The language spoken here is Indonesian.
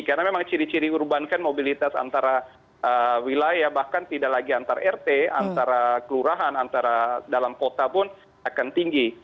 karena memang ciri ciri urban kan mobilitas antara wilayah bahkan tidak lagi antara rt antara kelurahan antara dalam kota pun akan tinggi